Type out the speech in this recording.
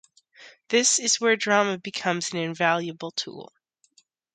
This is where drama becomes an invaluable tool.